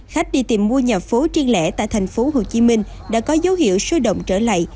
khách đi tìm mua nhà phố triển lẽ tại thành phố hồ chí minh đã có dấu hiệu sôi động trở lại